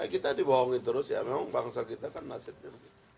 kita dibohongin terus ya memang bangsa kita kan nasibnya